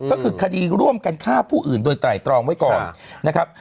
ก็คือคดีร่วมกันฆ่าผู้อื่นโดยไตรตรองไว้ก่อนนะครับ